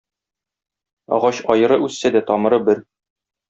Агач аеры үссә дә тамыры бер.